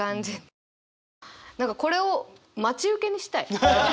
何かこれを待ち受けにしたい。